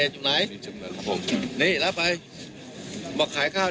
จำนำแล้วก็ขายเลยค่ะนั่ง